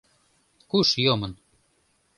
Куш йомын?